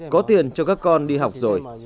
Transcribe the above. có tiền cho các con đi học rồi